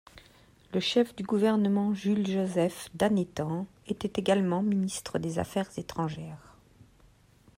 Le chef du gouvernement, Jules Joseph d'Anethan était également Ministre des affaires étrangères.